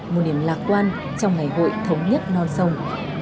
một niềm lạc quan trong ngày hội thống nhất non sông